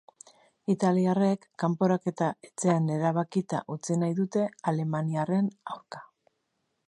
Italiarrek kanporaketa etxean erabakita utzi nahi dute alemaniarren aurka.